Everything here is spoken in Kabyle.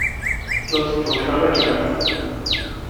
La ẓeṭṭent taṛakna.